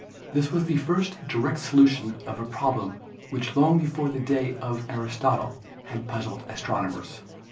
This was the first direct solution of a problem which long before the day of Aristotle had puzzled astronomers.